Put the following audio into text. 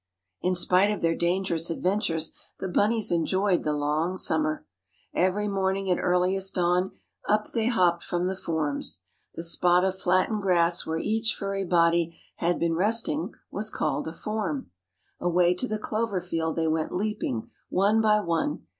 In spite of their dangerous adventures the bunnies enjoyed the long summer. Every morning at earliest dawn up they hopped from the forms. The spot of flattened grass where each furry body had been resting was called a "form." Away to the clover field they went leaping, one by one.